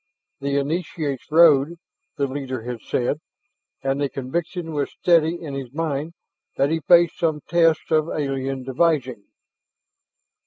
The "initiates' road," the leader had said, and the conviction was steady in his mind that he faced some test of alien devising.